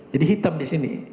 jadi hitam disini